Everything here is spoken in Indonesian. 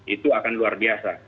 itu akan luar biasa